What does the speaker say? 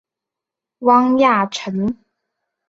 汪亚尘。